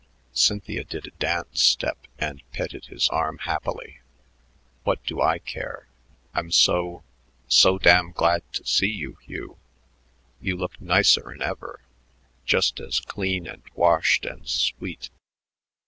Cynthia did a dance step and petted his arm happily. "What do I care? I'm so so damn glad to see you, Hugh. You look nicer'n ever just as clean and washed and sweet.